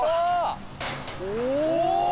お！